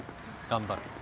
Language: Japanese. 頑張る。